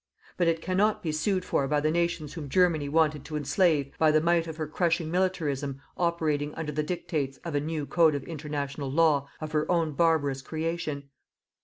But it cannot be sued for by the nations whom Germany wanted to enslave by the might of her crushing militarism operating under the dictates of a new code of International Law of her own barbarous creation.